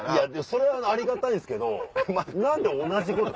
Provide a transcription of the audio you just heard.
それはありがたいんですけど。